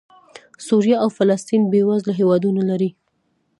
سوریه او فلسطین بېوزله هېوادونه دي.